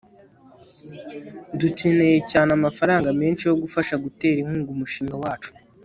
dukeneye cyane amafaranga menshi yo gufasha gutera inkunga umushinga wacu